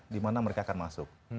dimana mereka akan masuk